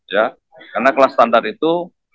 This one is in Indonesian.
karena kelas standar itu